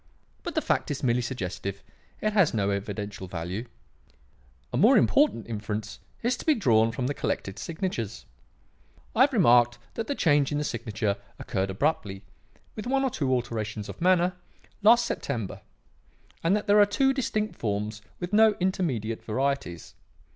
But the fact is merely suggestive; it has no evidential value. "A more important inference is to be drawn from the collected signatures. I have remarked that the change in the signature occurred abruptly, with one or two alterations of manner, last September, and that there are two distinct forms with no intermediate varieties.